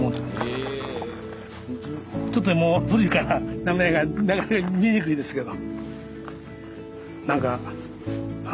ちょっともう古いから名前がなかなか見にくいですけど。